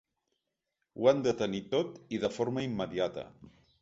Ho han de tenir tot i de forma immediata.